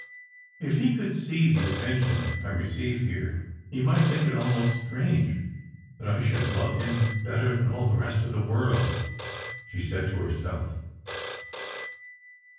*' If he could see the attention 1. receive here, h3 might think it almost strange that I should love him better than ali ♦h© rest of the world," ahe said to herself.